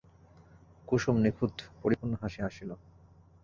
কুসুম নিখুঁত পরিপূর্ণ হাসি হাসিল।